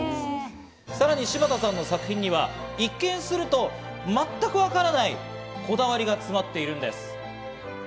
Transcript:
さらに柴田さんの作品には一見すると全くわからないこだわりが詰まっているんです。